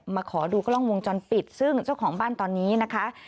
ขอดูกล้องวงจรปิดซึ่งเจ้าของบ้านตอนนี้นะคะ